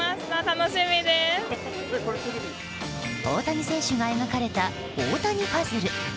大谷選手が描かれた大谷パズル。